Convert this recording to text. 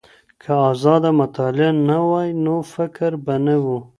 که ازاده مطالعه نه وای نو فکر به نه و.